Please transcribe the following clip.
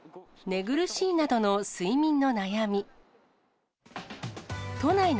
寝苦しいなどの睡眠の悩み。